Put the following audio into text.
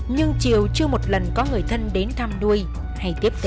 nhưng chiều chưa một lần có người thân đến thăm nuôi hay tiếp tế